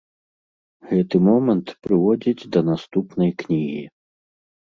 Гэты момант прыводзіць да наступнай кнігі.